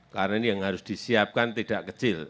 karena ini yang harus disiapkan tidak kecil